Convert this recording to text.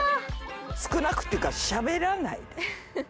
少なくっていうかしゃべらない。